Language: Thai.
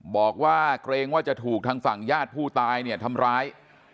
บอกว่าเกรงว่าจะถูกทางฝั่งญาติผู้ตายเนี่ยทำร้าย